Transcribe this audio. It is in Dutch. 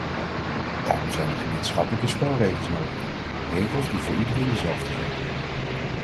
Daarom zijn er gemeenschappelijke spelregels nodig, regels die voor iedereen dezelfde zijn.